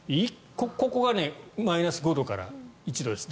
ここがマイナス５度から１度です。